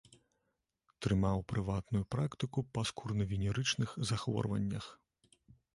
Трымаў прыватную практыку па скурна-венерычных захворваннях.